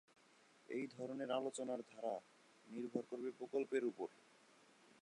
এই ধরনের আলোচনার ধারা নির্ভর করবে প্রকল্পের উপর।